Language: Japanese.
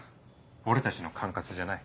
俺たちの管轄じゃない。